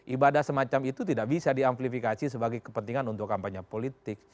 ibadah semacam itu tidak bisa diamplifikasi sebagai kepentingan untuk kampanye politik